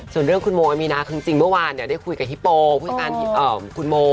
ส่วนเรื่องคุณโมอามีนาคือจริงเมื่อวานได้คุยกับฮิปโปผู้จัดการคุณโม